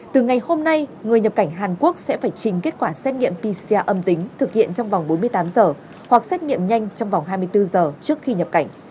từ ngày hôm nay người nhập cảnh hàn quốc sẽ phải trình kết quả xét nghiệm pcr âm tính thực hiện trong vòng bốn mươi tám giờ hoặc xét nghiệm nhanh trong vòng hai mươi bốn giờ trước khi nhập cảnh